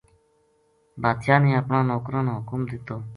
بادشاہ نے اپنا نوکراں نا حکم دیتو